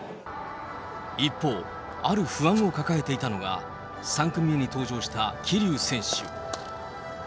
一方、ある不安を抱えていたのが、３組目に登場した桐生選手。